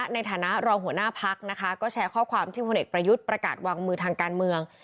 ในฐานะรองหัวหน้าพักนะคะก็แชร์ข้อความที่พลเอกประยุทธ์ประกาศวางมือทางการเมือง